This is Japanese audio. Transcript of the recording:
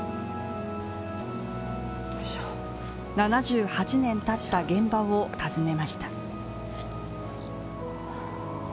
７８年たった現場を訪ねました。